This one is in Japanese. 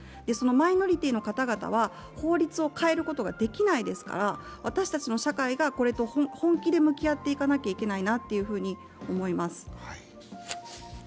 マイノリティーの方々は法律を変えることができないですから、私たちの社会がこれと本気で向き合っていかなきゃいけないなと思います。